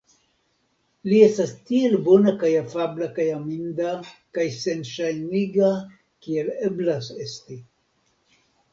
Li estas tiel bona kaj afabla kaj aminda kaj senŝajniga kiel eblas esti.